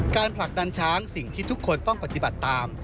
ผลักดันช้างสิ่งที่ทุกคนต้องปฏิบัติตาม